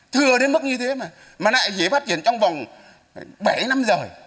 thừa đến mức như thế mà lại dễ phát triển trong vòng bảy năm rồi